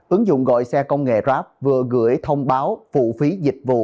ứng dụng gọi xe công nghệ grab vừa gửi thông báo phụ phí dịch vụ